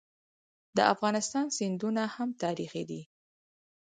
د افغانستان سیندونه هم تاریخي دي.